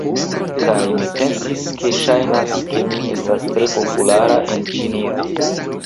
Kaj mi pensis, he, ŝajnas ke mi estas tre populara en Ĉinio.